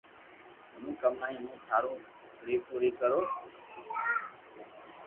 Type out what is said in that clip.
ھون ڪمائي مون ٽاٻرو ري پوري ڪرو